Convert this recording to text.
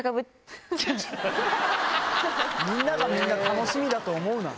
みんながみんな楽しみだと思うな。